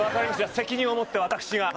責任を持って私が。